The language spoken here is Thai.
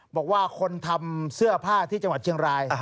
บอกว่าคนทำเสื้อผ้าที่จังหวัดเชียงราย